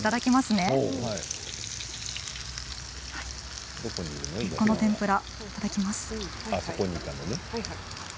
根っこの天ぷら、いただきます。